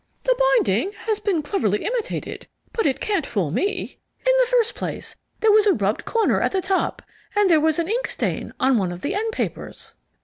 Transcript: "The binding has been cleverly imitated, but it can't fool me. In the first place, there was a rubbed corner at the top; and there was an ink stain on one of the end papers."